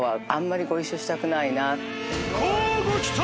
乞うご期待。